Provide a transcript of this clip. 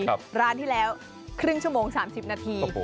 ครับร้านที่แล้วครึ่งชั่วโมงสามสิบนาทีครับผม